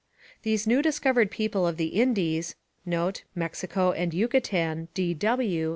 These new discovered people of the Indies [Mexico and Yucatan D.W.